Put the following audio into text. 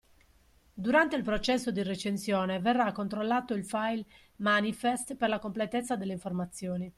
Durante il processo di recensione verrà controllato il file manifest per la completezza delle informazioni.